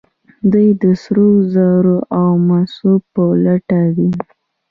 دوی د سرو زرو او مسو په لټه دي.